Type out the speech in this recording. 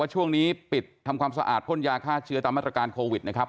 ช่วงนี้ปิดทำความสะอาดพ่นยาฆ่าเชื้อตามมาตรการโควิดนะครับ